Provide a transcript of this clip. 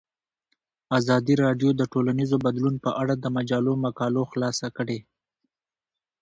ازادي راډیو د ټولنیز بدلون په اړه د مجلو مقالو خلاصه کړې.